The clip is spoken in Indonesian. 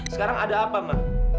sekarang ada apa ma